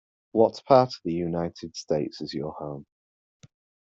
What part of the United States is your home.